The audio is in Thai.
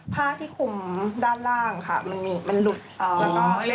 ผ้าที่คุมด้านล่างค่ะมันหลุด